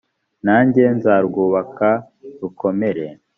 nanjye nzarwubaka rukomere